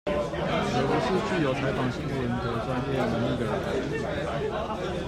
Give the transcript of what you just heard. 而不是具有採訪新聞的專業能力的人